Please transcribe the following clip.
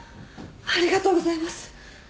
ありがとうございます。